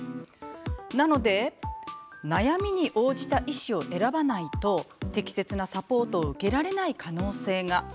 なので悩みに応じた医師を選ばないと適切なサポートを受けられない可能性が。